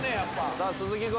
さあ鈴木君。